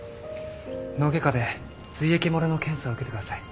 脳外科で髄液漏れの検査を受けてください。